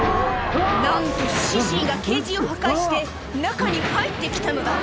・なんとシシーがケージを破壊して中に入って来たのだ！